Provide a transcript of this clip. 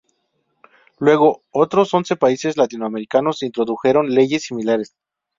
Luego, otros once países latinoamericanos introdujeron leyes similares.